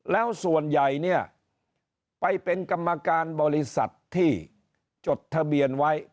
แล้วส่วนใหญ่เนี่ยไปเป็นกรรมการบริษัทที่จดทะเบียนไว้